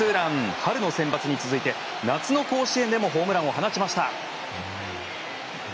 春のセンバツに続いて夏の甲子園でもホームランを放ちました。